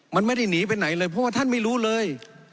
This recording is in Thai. มันไม่ได้หนีไปไหนเลยเพราะว่าท่านไม่รู้เลย